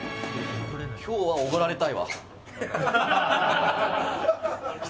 俺今日はオゴられたいわ。